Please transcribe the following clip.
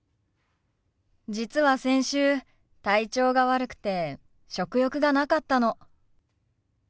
実は先週体調が悪くて食欲がなかったの。